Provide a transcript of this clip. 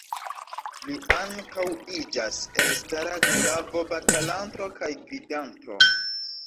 Li ankaŭ iĝas elstara glavo-batalanto kaj gvidanto.